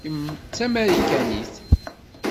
Kemm d tamarikanit.